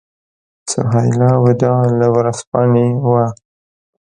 سهیلا وداع له ورځپاڼې وه.